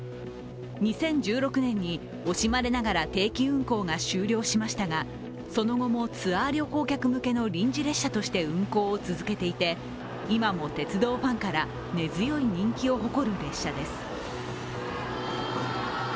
２０１６年に惜しまれながら定期運行が終了しましたがその後もツアー旅行客向けの臨時列車として運行を続けていて今も鉄道ファンから根強い人気を誇る列車です。